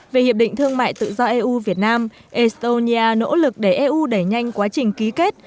về hiệp định thương mại tự do eu việt nam estonia nỗ lực để eu đẩy nhanh quá trình ký kết